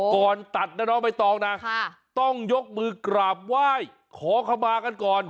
ก่อนตัดนะไม่ต้องนะต้องยกมือกราบไหว้ขอคำมากันก่อน